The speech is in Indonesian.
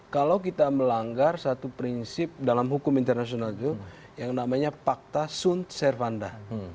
kalau kita melanggar satu prinsip dalam hukum internasional itu yang namanya fakta sun servanda